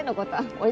おい